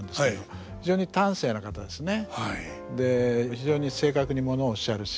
非常に正確にものおっしゃるし。